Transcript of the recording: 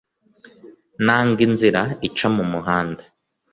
nanga inzira ica mu muhanda